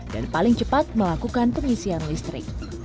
dan paling cepat melakukan pengisian listrik